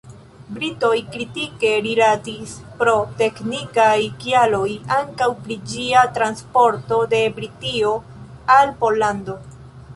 Britoj kritike rilatis pro teknikaj kialoj ankaŭ pri ĝia transporto de Britio al Pollando.